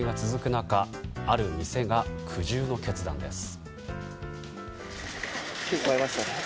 中ある店が苦渋の決断です。